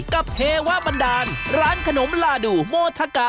เทวบันดาลร้านขนมลาดูโมทะกะ